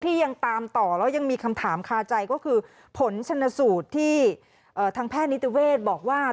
ยังตามต่อแล้วยังมีคำถามคาใจก็คือผลชนสูตรที่ทางแพทย์นิติเวศบอกว่า